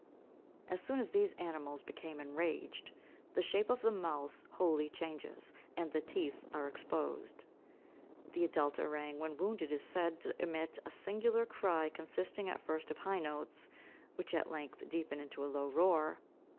As soon as these animals become enraged, the shape of the month wholly changes, and the teeth are exposed. The adult orang when wounded is said to emit "a singular cry, consisting at first of high notes, which at length deepen into a low roar.